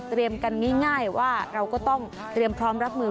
เตรียมกันนิ่ง่ายว่าเราก็ต้องพร้อมรับมือ